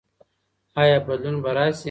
ایا بدلون به راسي؟